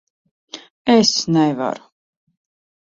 Es nevaru.